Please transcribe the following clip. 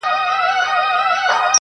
لنډۍ په غزل کي، څلورمه برخه!.